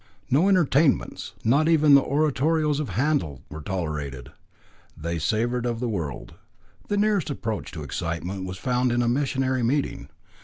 No entertainments, not even the oratorios of Handel, were tolerated; they savoured of the world. The nearest approach to excitement was found in a missionary meeting.